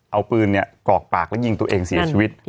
เอาปืนกอกปากแล้วยิงตัวเองเสียชีวิต